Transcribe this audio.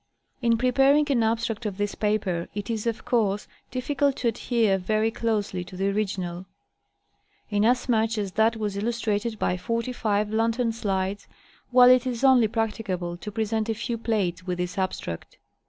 In preparing an abstract of this paper it is of course difficult to adhere very closely to the original, inasmuch as that was illus trated by forty five lantern slides, while it is only practicable to present a few plates with this abstract.